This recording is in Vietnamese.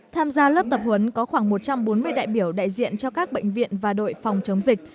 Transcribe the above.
tham gia lớp tập huấn có khoảng một trăm bốn mươi đại biểu đại diện cho các bệnh viện và đội phòng chống dịch